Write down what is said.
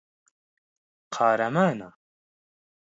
قارەمانە.